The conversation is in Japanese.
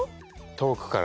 遠くから。